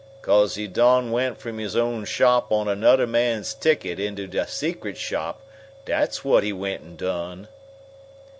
"'Cause he done went from his own shop on annuder man's ticket into de secret shop, dat's whut he went an' done!"